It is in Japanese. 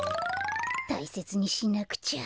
たいせつにしなくちゃ。